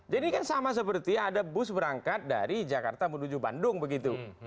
jadi ini kan sama seperti ada bus berangkat dari jakarta menuju bandung begitu